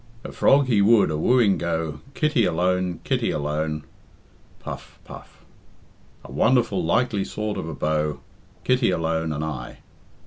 "A frog he would a wooing go, Kitty alone, Kitty alone, (Puff, puff.) A wonderful likely sort of a beau, _Kitty alone and I!